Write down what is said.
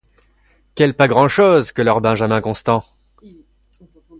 Quel pas grand’chose que leur Benjamin Constant !